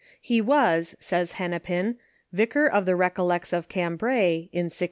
He was, says Hennepin, vicar of the Recollects of Cam bray, in 1697.